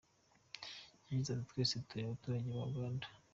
Yagize ati “Twese turi abaturage ba Uganda.